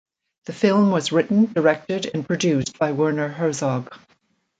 The film was written, directed, and produced by Werner Herzog.